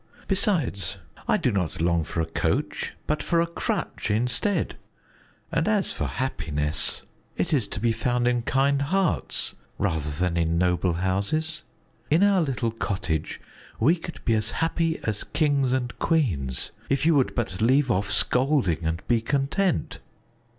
Besides, I do not long for a coach, but for a crutch instead; and as for happiness it is to be found in kind hearts rather than in noble houses. In our little cottage we could be as happy as kings and queens, if you would but leave off scolding and be content."